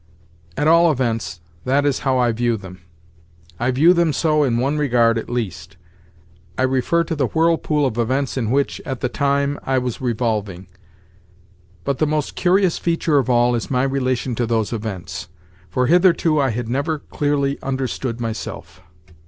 At all events, that is how I view them. I view them so in one regard at least. I refer to the whirlpool of events in which, at the time, I was revolving. But the most curious feature of all is my relation to those events, for hitherto I had never clearly understood myself.